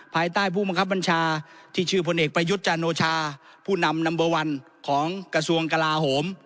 ภายใต้ผู้บังคับบัญชาที่ชื่อพลเอกประยุทธ์จันโอชาผู้นำนัมเบอร์วันของกระทรวงกลาโหม